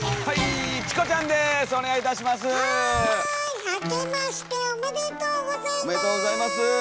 おめでとうございます。